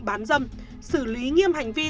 bán dâm xử lý nghiêm hành vi